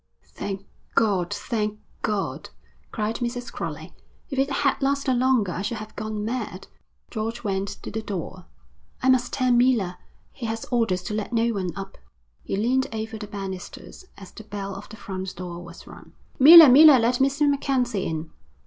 'Thank God, thank God!' cried Mrs. Crowley. 'If it had lasted longer I should have gone mad.' George went to the door. 'I must tell Miller. He has orders to let no one up.' He leaned over the banisters, as the bell of the front door was rung. 'Miller, Miller, let Mr. MacKenzie in.'